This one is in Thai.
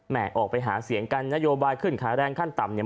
ออกไปหาเสียงกันนโยบายขึ้นค่าแรงขั้นต่ำเนี่ย